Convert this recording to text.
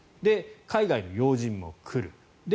海外の要人も来る。